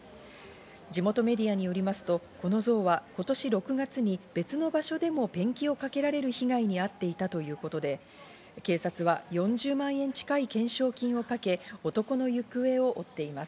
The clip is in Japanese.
地元メディアによりますとこの像は今年６月に別の場所でもペンキをかけられる被害に遭っていたということで警察は４０万円近い懸賞金をかけ男の行方を追っています。